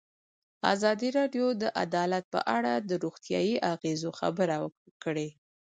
ازادي راډیو د عدالت په اړه د روغتیایي اغېزو خبره کړې.